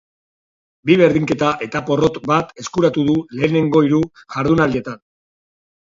Bi berdnketa eta porrot bat eskuratu du lehenengo hiru jardunaldietan.